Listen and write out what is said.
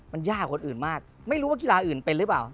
มันยากคนอื่นมากไม่รู้ว่ากีฬาอื่นเป็นหรือเปล่า